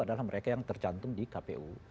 adalah mereka yang tercantum di kpu